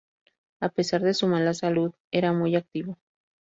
A pesar de su mala salud era muy activo.